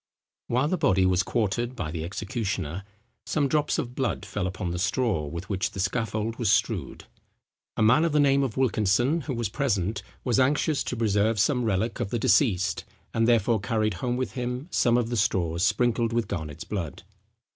While the body was quartered by the executioner, some drops of blood fell upon the straw with which the scaffold was strewed. A man of the name of Wilkinson, who was present, was anxious to preserve some relic of the deceased, and therefore carried home with him some of the straws sprinkled with Garnet's blood.